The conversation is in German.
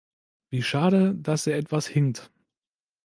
Wie schade, dass er etwas hinkt!